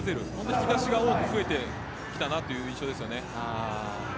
引き出しが多く増えてきたなという印象ですよね。